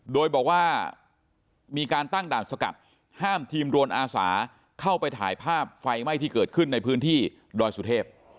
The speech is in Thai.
โดยบอกว่ามีการตั้งด่านสกัดห้ามทีมโรนอาสาเข้าไปถ่ายภาพไฟไหม้ที่เกิดขึ้นในพื้นที่ดอยสุเทพ